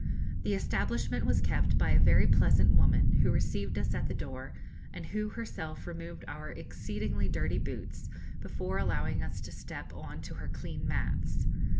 The establishment was kept by a very pleasant woman, who received us at the door, and who herself removed our exceedingly dirty boots before allowing us to step on to her clean mats.